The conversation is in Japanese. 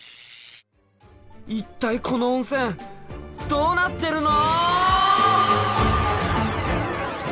一体この温泉どうなってるの！